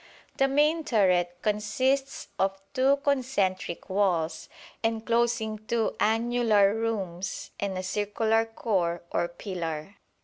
The main turret consists of two concentric walls, enclosing two annular rooms and a circular core or pillar.